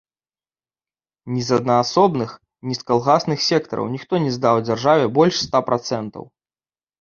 Ні з аднаасобных, ні з калгасных сектараў ніхто не здаў дзяржаве больш ста працэнтаў.